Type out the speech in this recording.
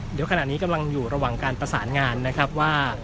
เดี๋ยวขณะนี้กำลังอยู่ระหว่างการประสานงานนะครับว่า